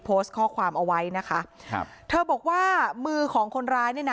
โพสต์ข้อความเอาไว้นะคะครับเธอบอกว่ามือของคนร้ายเนี่ยนะ